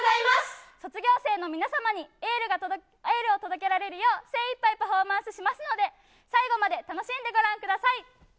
卒業生の皆様にエールを届けられるよう、精いっぱいパフォーマンスしますので、最後まで楽しんでご覧ください。